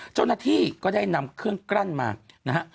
เจ้าหน้าที่ก็ได้นำเครื่องกลั้นมานะฮะ